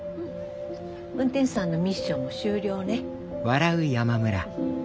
運転手さんのミッションも終了ね。